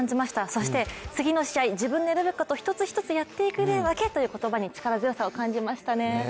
そして次の試合も、自分のやれることを一つ一つやっていくだけと力強さを感じましたね。